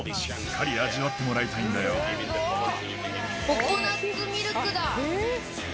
ココナツミルクだ。